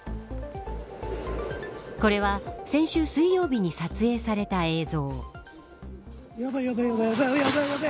これは、先週水曜日に撮影された映像。